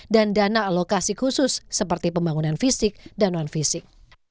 dan dana alokasi khusus seperti pembangunan fisik dan non fisik